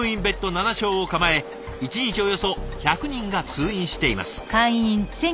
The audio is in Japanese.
７床を構え一日およそ１００人が通院しています。